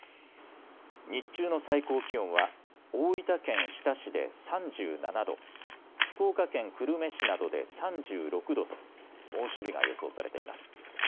日中の最高気温は大分県日田市で３７度、福岡県久留米市などで３６度と猛暑日が予想されています。